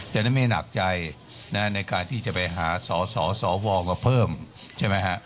จนนั้นไม่หนักใจในการที่จะไปหาสวกว่าเพิ่มใช่ปะฮะ